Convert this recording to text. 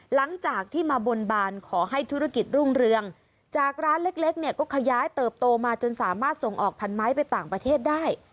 หลังจากที่มาบนบานขอให้ธุรกิจรุ่งเรืองจากร้านเล็กเนี่ยก็ขยายเติบโตมาจนสามารถส่งออกพันไม้ไปต่างประเทศได้